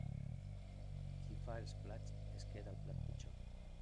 Qui fa els plats es queda el plat pitjor.